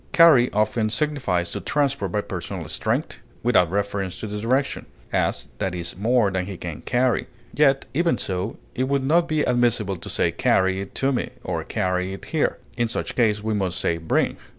Carry often signifies to transport by personal strength, without reference to the direction; as, that is more than he can carry; yet, even so, it would not be admissible to say carry it to me, or carry it here; in such case we must say bring.